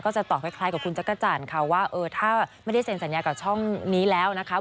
จะตอบคล้ายกับคุณจักรจันทร์ค่ะว่าเออถ้าไม่ได้เซ็นสัญญากับช่องนี้แล้วนะคะ